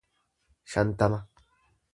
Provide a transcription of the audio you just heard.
shantama